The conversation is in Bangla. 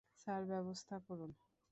স্যার, ব্যবস্থা করুন।